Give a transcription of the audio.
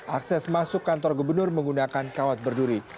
akses masuk kantor gubernur menggunakan kawat berduri